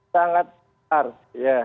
sangat hard ya